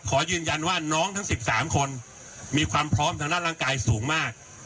ขอยืนยันว่าน้องทั้ง๑๓คนมีความพร้อมทางด้านร่างกายสูงมาก